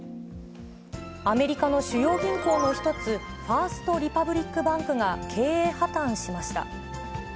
アメリカの主要銀行の一つ、ファースト・リパブリック・バンクが経営破綻しました。